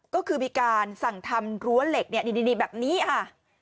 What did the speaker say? ก็คือมีการสั่งทำรั้วเหล็กเนี่ยนี่แบบนี้ค่ะ